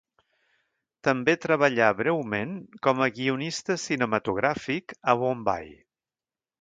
També treballà breument com a guionista cinematogràfic a Bombai.